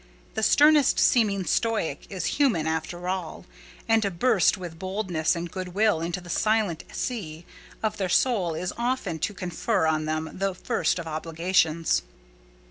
The sternest seeming stoic is human after all; and to "burst" with boldness and good will into "the silent sea" of their souls is often to confer on them the first of obligations.